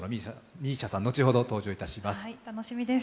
ＭＩＳＩＡさんは後ほど登場します。